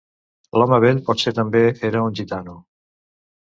L'home vell potser també era un gitano.